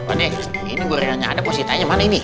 wah ini gue rindu ada positanya mana ini